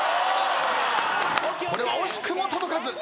これは惜しくも届かず。笑